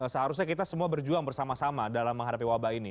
seharusnya kita semua berjuang bersama sama dalam menghadapi wabah ini